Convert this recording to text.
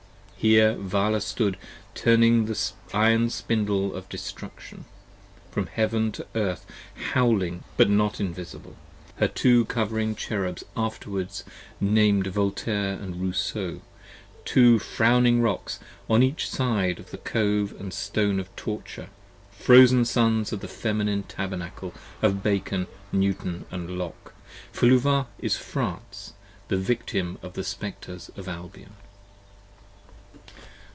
10 Here Vala stood turning the iron Spindle of destruction From heaven to earth, howling, invisible: but not invisible Her Two Covering Cherubs, afterwards named Voltaire & Rousseau: Two frowning Rocks, on each side of the Cove & Stone of Torture, Frozen Sons of the feminine Tabernacle of Bacon, Newton & Locke. 15 For Luvah is France; the Victim of the Spectres of Albion.